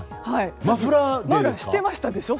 マフラーしてましたでしょ